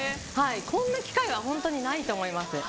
こんな機会は本当にないと思います。